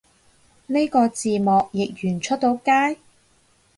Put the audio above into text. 呢個字幕譯完出到街？